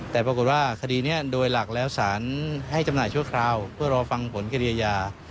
แต่ปรากฏว่าคดีนี้โดยหลักแล้วสารให้จำหน่ายชั่วคราวเพื่อรอฟังผลคดีอาญา